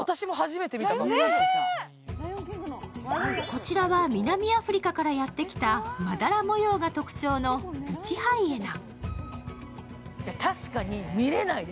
こちらは南アフリカからやってきたまだら模様が特徴のブチハイエナ。